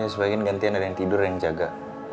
sebaiknya gantian ada yang tidur ada yang jaga